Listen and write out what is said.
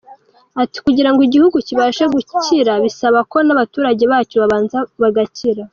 Ati “Kugira ngo igihugu kibashe gukira bisaba ko n’abaturage bacyo babanza bagakira.